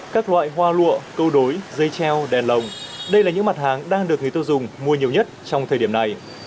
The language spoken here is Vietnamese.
các loại hoa lụa câu đối dây treo đèn lồng đây là những mặt hàng đang được người tiêu dùng mua nhiều nhất trong thời điểm này